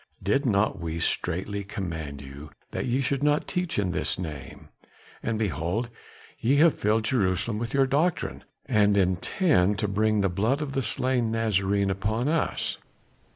Did not we straightly command you that ye should not teach in this name? And, behold, ye have filled Jerusalem with your doctrine, and intend to bring the blood of the slain Nazarene upon us."